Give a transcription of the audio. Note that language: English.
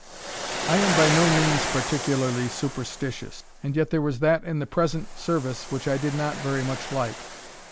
I am by no means particularly superstitious, and yet there was that in the present service which I did not very much like.